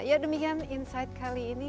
ya demikian insight kali ini